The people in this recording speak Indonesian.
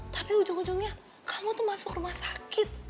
tapi ujung ujungnya kamu tuh masuk rumah sakit